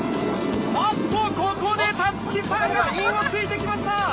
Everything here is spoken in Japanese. あっとここで立木さんがインをついてきました。